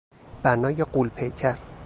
بنای غول پیکر